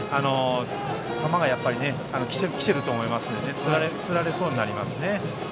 球がやっぱり来ていると思いますのでつられそうになりますね。